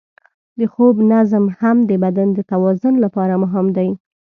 د خوب نظم هم د بدن د توازن لپاره مهم دی.